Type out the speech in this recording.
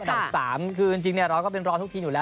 ระดับ๓คือก็เป็นรอทุกทีอยู่แล้ว